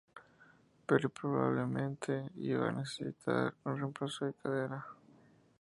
Perry probablemente iba a necesitar un reemplazo de cadera.